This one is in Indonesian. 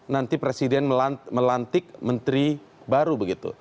nanti presiden melantik menteri baru begitu